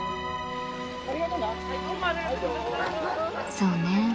そうね。